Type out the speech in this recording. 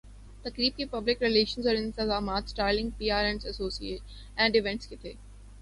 تقریب کی پبلک ریلشنزاورانتظامات star link P R and events کے تھے